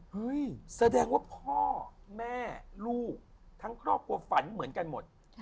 แสดงว่าพ่อแม่ลูกทั้งครอบครัวฝันเหมือนกันหมด